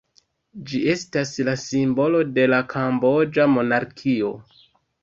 Ĝi estas la simbolo de la kamboĝa monarkio.